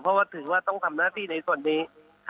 เพราะว่าถือว่าต้องทำหน้าที่ในส่วนนี้